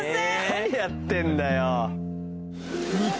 何やってんだよ